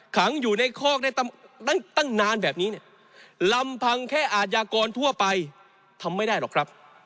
ขังอยู่ในคอกได้ตั้งนานแบบนี้เนี่ยลำพังแค่อาทยากรทั่วไปทำไม่ได้หรอกครับ